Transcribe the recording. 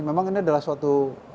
memang ini adalah suatu